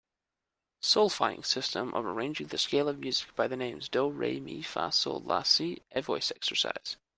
Solfaing system of arranging the scale of music by the names do, re, mi, fa, sol, la, si a voice exercise.